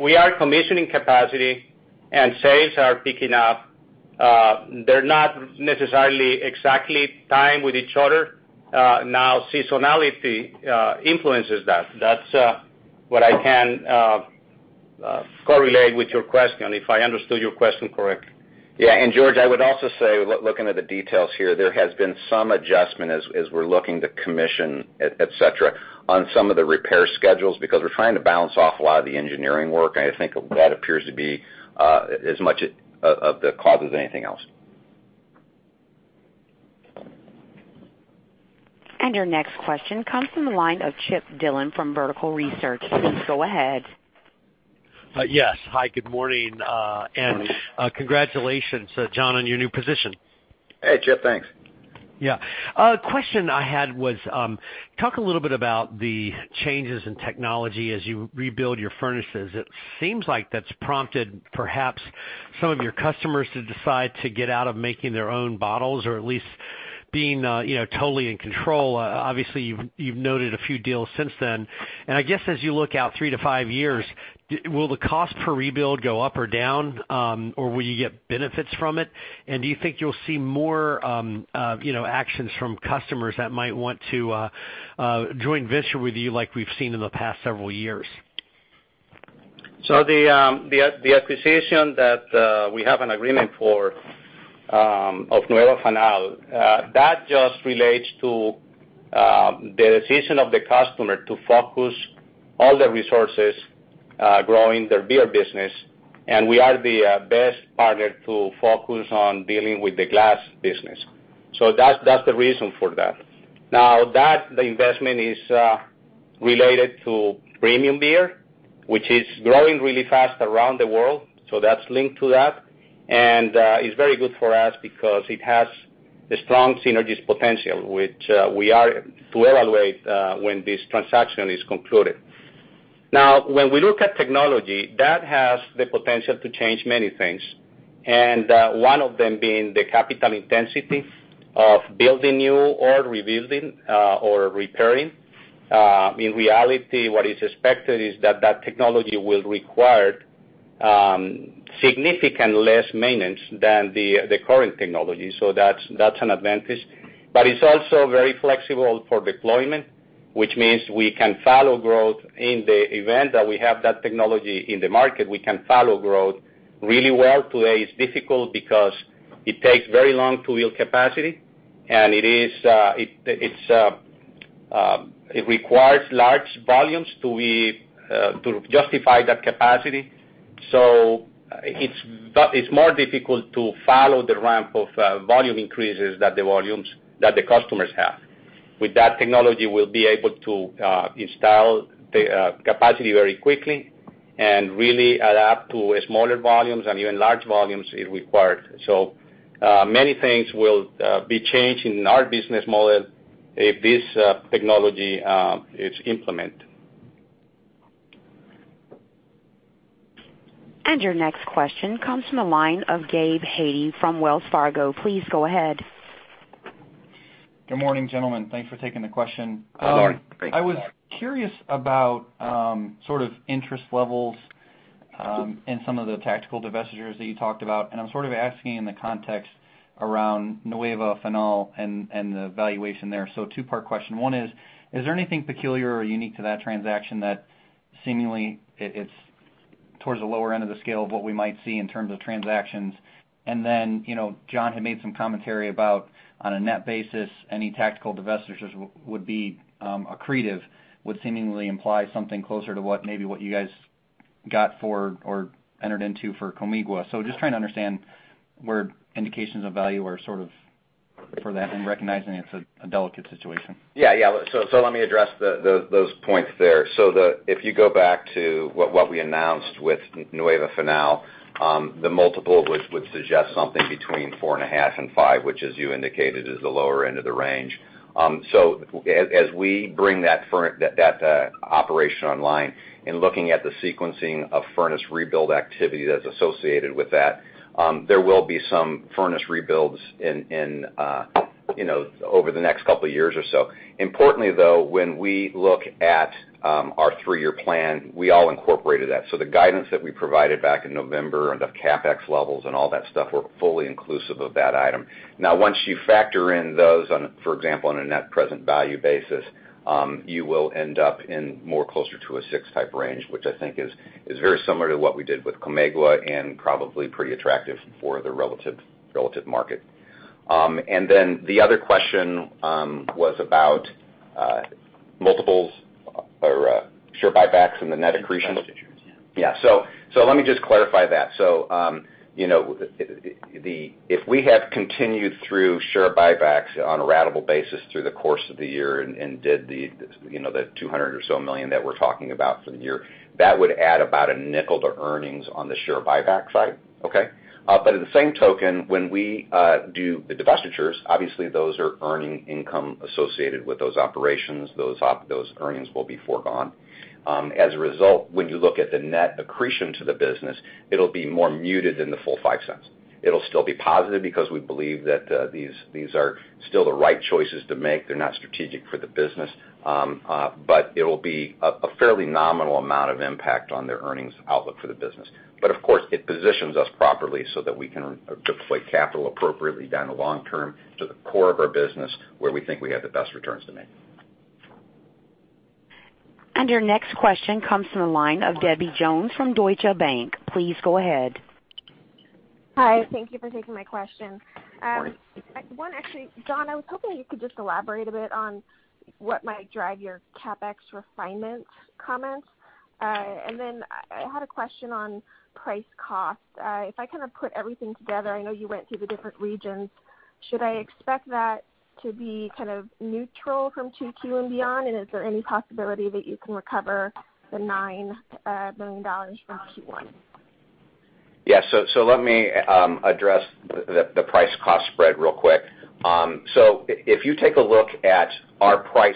we are commissioning capacity and sales are picking up. They're not necessarily exactly timed with each other. Seasonality influences that. That's what I can correlate with your question, if I understood your question correctly. Yeah. George, I would also say, looking at the details here, there has been some adjustment as we're looking to commission, et cetera, on some of the repair schedules, because we're trying to balance off a lot of the engineering work, and I think that appears to be as much of the cause as anything else. Your next question comes from the line of Chip Dillon from Vertical Research. Please go ahead. Yes. Hi, good morning. Good morning. Congratulations, John, on your new position. Hey, Chip. Thanks. Yeah. A question I had was, talk a little bit about the changes in technology as you rebuild your furnaces. It seems like that's prompted perhaps some of your customers to decide to get out of making their own bottles or at least being totally in control. Obviously, you've noted a few deals since then. I guess as you look out 3-5 years, will the cost per rebuild go up or down, or will you get benefits from it? Do you think you'll see more actions from customers that might want to joint venture with you like we've seen in the past several years? The acquisition that we have an agreement for of Nueva Fanal, that just relates to the decision of the customer to focus all the resources growing their beer business, and we are the best partner to focus on dealing with the glass business. That's the reason for that. The investment is related to premium beer, which is growing really fast around the world, so that's linked to that. It's very good for us because it has a strong synergies potential, which we are to evaluate when this transaction is concluded. When we look at technology, that has the potential to change many things, and one of them being the capital intensity of building new or rebuilding or repairing. In reality, what is expected is that that technology will require significant less maintenance than the current technology, so that's an advantage. It's also very flexible for deployment, which means we can follow growth. In the event that we have that technology in the market, we can follow growth really well. Today, it's difficult because it takes very long to yield capacity, and it requires large volumes to justify that capacity. It's more difficult to follow the ramp of volume increases that the customers have. With that technology, we'll be able to install the capacity very quickly and really adapt to smaller volumes and even large volumes it requires. Many things will be changed in our business model if this technology is implemented. Your next question comes from the line of Gabe Hajde from Wells Fargo. Please go ahead. Good morning, gentlemen. Thanks for taking the question. Good morning. Great. I was curious about interest levels in some of the tactical divestitures that you talked about, and I'm asking in the context around Nueva Fanal and the valuation there. Two-part question. One is there anything peculiar or unique to that transaction that seemingly it's towards the lower end of the scale of what we might see in terms of transactions? John had made some commentary about, on a net basis, any tactical divestitures would be accretive, would seemingly imply something closer to what maybe what you guys got for or entered into for Comegua. Just trying to understand where indications of value are for that and recognizing it's a delicate situation. Let me address those points there. If you go back to what we announced with Nueva Fanal, the multiple would suggest something between four and a half and five, which as you indicated, is the lower end of the range. As we bring that operation online and looking at the sequencing of furnace rebuild activity that's associated with that. There will be some furnace rebuilds over the next couple of years or so. Importantly, though, when we look at our three-year plan, we all incorporated that. The guidance that we provided back in November and the CapEx levels and all that stuff were fully inclusive of that item. Once you factor in those, for example, on a net present value basis, you will end up in more closer to a 6 type range, which I think is very similar to what we did with Comegua and probably pretty attractive for the relative market. The other question was about multiples or share buybacks and the net accretion. The divestitures. Let me just clarify that. If we have continued through share buybacks on a ratable basis through the course of the year and did the $200 million that we're talking about for the year, that would add about $0.05 to earnings on the share buyback side. At the same token, when we do the divestitures, obviously those are earning income associated with those operations. Those earnings will be foregone. As a result, when you look at the net accretion to the business, it'll be more muted than the full $0.05. It'll still be positive because we believe that these are still the right choices to make. They're not strategic for the business. It'll be a fairly nominal amount of impact on their earnings outlook for the business. Of course, it positions us properly so that we can deploy capital appropriately down the long term to the core of our business where we think we have the best returns to make. Your next question comes from the line of Debbie Jones from Deutsche Bank. Please go ahead. Hi. Thank you for taking my question. Good morning. Actually, John, I was hoping you could just elaborate a bit on what might drive your CapEx refinement comments. Then I had a question on price cost. If I kind of put everything together, I know you went through the different regions, should I expect that to be kind of neutral from Q2 and beyond? Is there any possibility that you can recover the $9 million from Q1? Let me address the price cost spread real quick. If you take a look at our price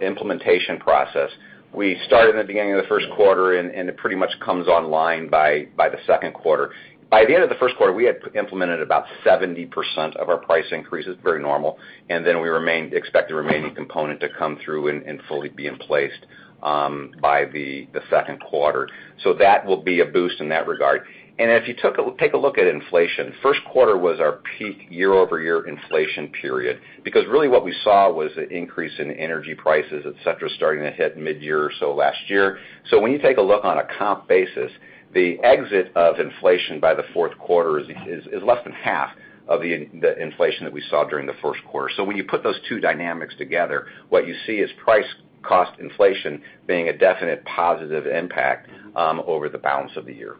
implementation process, we started in the beginning of the first quarter, and it pretty much comes online by the second quarter. By the end of the first quarter, we had implemented about 70% of our price increases, very normal, and then we expect the remaining component to come through and fully be in place by the second quarter. That will be a boost in that regard. If you take a look at inflation, first quarter was our peak year-over-year inflation period, because really what we saw was an increase in energy prices, et cetera, starting to hit mid-year or so last year. When you take a look on a comp basis, the exit of inflation by the fourth quarter is less than half of the inflation that we saw during the first quarter. When you put those two dynamics together, what you see is price cost inflation being a definite positive impact over the balance of the year.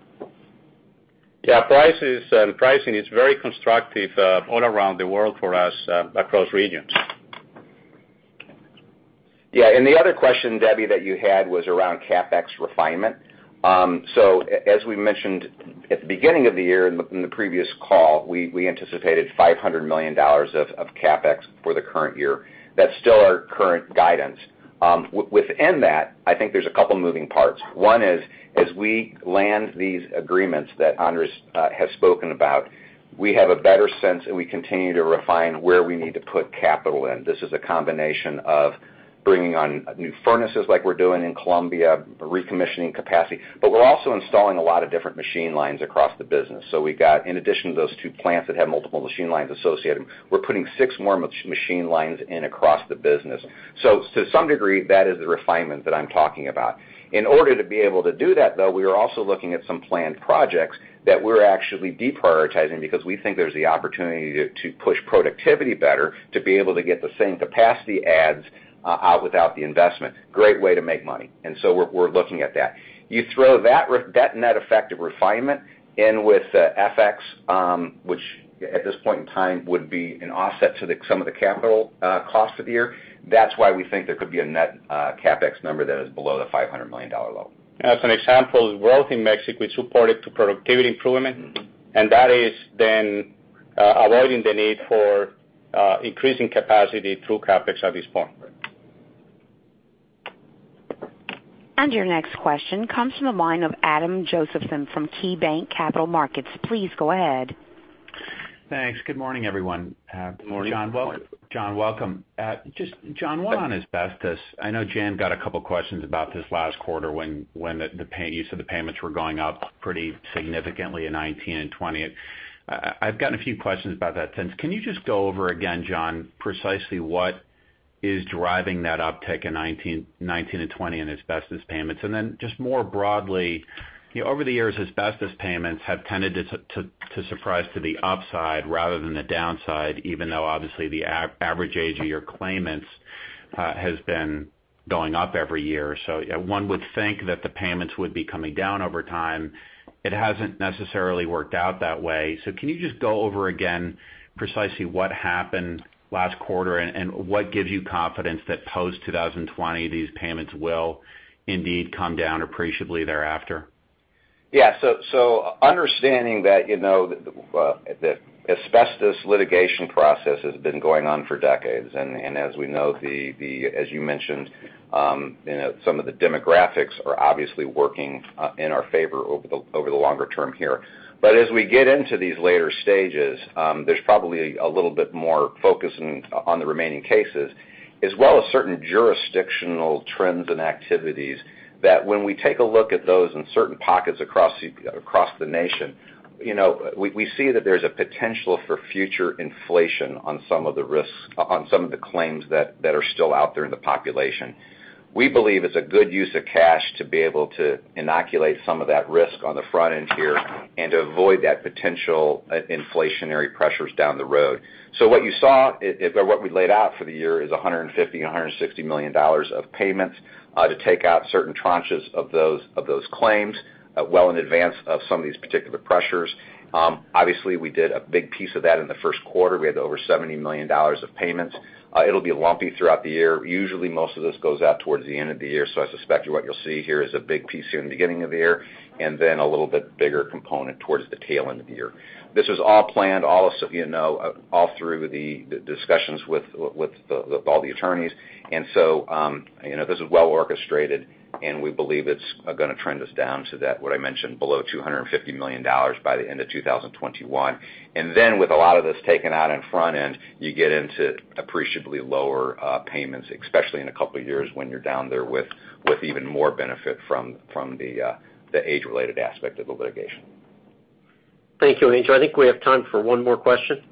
Pricing is very constructive all around the world for us across regions. And the other question, Debbie, that you had was around CapEx refinement. As we mentioned at the beginning of the year in the previous call, we anticipated $500 million of CapEx for the current year. That's still our current guidance. Within that, I think there's a couple moving parts. One is, as we land these agreements that Andres has spoken about, we have a better sense, and we continue to refine where we need to put capital in. This is a combination of bringing on new furnaces like we're doing in Colombia, recommissioning capacity. But we're also installing a lot of different machine lines across the business. In addition to those two plants that have multiple machine lines associated, we're putting six more machine lines in across the business. To some degree, that is the refinement that I'm talking about. In order to be able to do that, though, we are also looking at some planned projects that we're actually deprioritizing because we think there's the opportunity to push productivity better to be able to get the same capacity adds out without the investment. Great way to make money. So we're looking at that. You throw that net effect of refinement in with FX, which at this point in time would be an offset to some of the capital costs of the year. That's why we think there could be a net CapEx number that is below the $500 million level. As an example, growth in Mexico is supported to productivity improvement, and that is then avoiding the need for increasing capacity through CapEx at this point. Your next question comes from the line of Adam Josephson from KeyBanc Capital Markets. Please go ahead. Thanks. Good morning, everyone. Good morning. John, welcome. John, one on asbestos. I know Jan got a couple questions about this last quarter when the pace of the payments were going up pretty significantly in 2019 and 2020. I've gotten a few questions about that since. Can you just go over again, John, precisely what is driving that uptick in 2019 and 2020 in asbestos payments? More broadly, over the years, asbestos payments have tended to surprise to the upside rather than the downside, even though obviously the average age of your claimants has been going up every year. One would think that the payments would be coming down over time. It hasn't necessarily worked out that way. Can you just go over again precisely what happened last quarter and what gives you confidence that post-2020 these payments will indeed come down appreciably thereafter? Yeah. Understanding that, you know, the asbestos litigation process has been going on for decades. As we know, as you mentioned, some of the demographics are obviously working in our favor over the longer term here. As we get into these later stages, there's probably a little bit more focus on the remaining cases, as well as certain jurisdictional trends and activities, that when we take a look at those in certain pockets across the nation, we see that there's a potential for future inflation on some of the claims that are still out there in the population. We believe it's a good use of cash to be able to inoculate some of that risk on the front end here and to avoid that potential inflationary pressures down the road. What we laid out for the year is $150 million-$160 million of payments, to take out certain tranches of those claims, well in advance of some of these particular pressures. Obviously, we did a big piece of that in the first quarter. We had over $70 million of payments. It'll be lumpy throughout the year. Usually, most of this goes out towards the end of the year. I suspect what you'll see here is a big piece here in the beginning of the year, and then a little bit bigger component towards the tail end of the year. This was all planned, all through the discussions with all the attorneys. This is well orchestrated, and we believe it's going to trend us down to that, what I mentioned, below $250 million by the end of 2021. With a lot of this taken out in front end, you get into appreciably lower payments, especially in a couple of years when you're down there with even more benefit from the age-related aspect of the litigation. Thank you, Adam. I think we have time for one more question.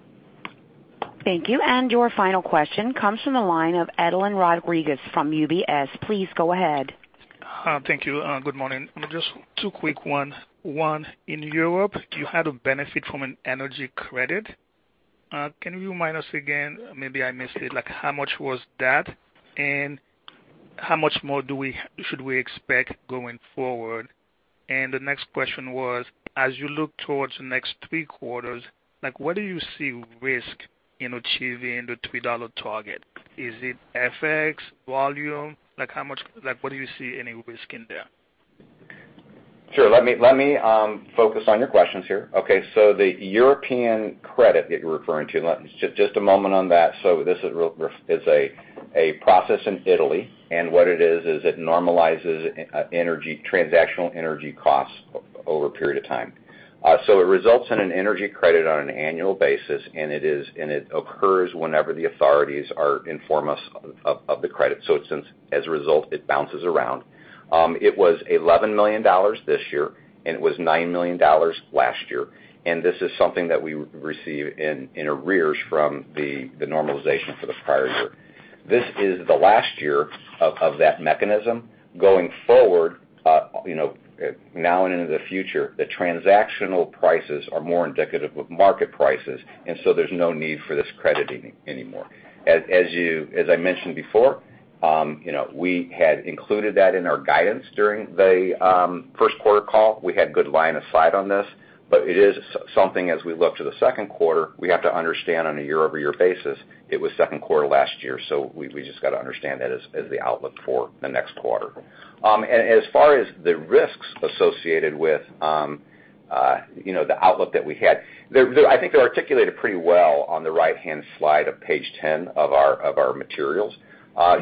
Thank you. Your final question comes from the line of Edlain Rodriguez from UBS. Please go ahead. Thank you. Good morning. Just two quick one. One, in Europe, you had a benefit from an energy credit. Can you remind us again, maybe I missed it, how much was that, and how much more should we expect going forward? The next question was, as you look towards the next three quarters, where do you see risk in achieving the $3 target? Is it FX, volume? What do you see any risk in there? Sure. Let me focus on your questions here. The European credit that you're referring to, just a moment on that. This is a process in Italy, what it is, it normalizes transactional energy costs over a period of time. It results in an energy credit on an annual basis, and it occurs whenever the authorities inform us of the credit. As a result, it bounces around. It was $11 million this year, and it was $9 million last year. This is something that we receive in arrears from the normalization for the prior year. This is the last year of that mechanism. Going forward, now and into the future, the transactional prices are more indicative of market prices, there's no need for this crediting anymore. As I mentioned before, we had included that in our guidance during the first quarter call. We had good line of sight on this. It is something as we look to the second quarter, we have to understand on a year-over-year basis, it was second quarter last year. We just got to understand that as the outlook for the next quarter. As far as the risks associated with the outlook that we had, I think they're articulated pretty well on the right-hand slide of page 10 of our materials.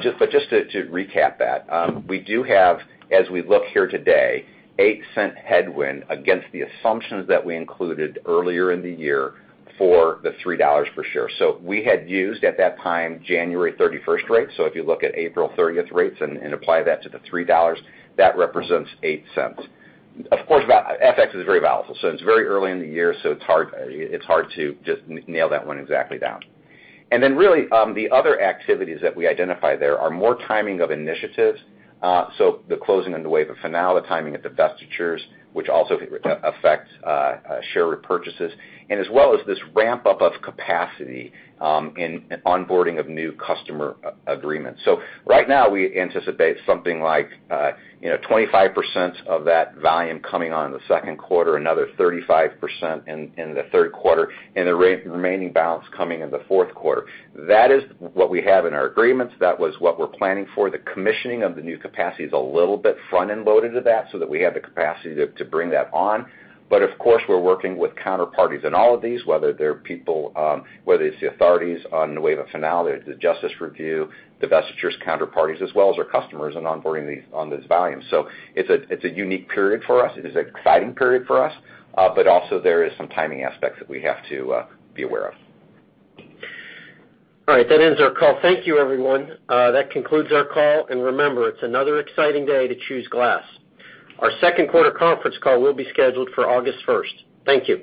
Just to recap that, we do have, as we look here today, a $0.08 headwind against the assumptions that we included earlier in the year for the $3 per share. We had used, at that time, January 31st rates. If you look at April 30th rates and apply that to the $3, that represents $0.08. Of course, FX is very volatile. It's very early in the year, it's hard to just nail that one exactly down. Then really, the other activities that we identify there are more timing of initiatives. The closing of Nueva Fanal, the timing of divestitures, which also affects share repurchases, and as well as this ramp up of capacity in onboarding of new customer agreements. Right now, we anticipate something like 25% of that volume coming on in the second quarter, another 35% in the third quarter, and the remaining balance coming in the fourth quarter. That is what we have in our agreements. That was what we're planning for. The commissioning of the new capacity is a little bit front-end loaded to that so that we have the capacity to bring that on. Of course, we're working with counterparties in all of these, whether it's the authorities on Nueva Fanal, the justice review, divestitures counterparties, as well as our customers in onboarding these on this volume. It's a unique period for us. It is an exciting period for us. Also there is some timing aspects that we have to be aware of. All right. That ends our call. Thank you, everyone. That concludes our call, and remember, it's another exciting day to choose glass. Our second quarter conference call will be scheduled for August 1st. Thank you.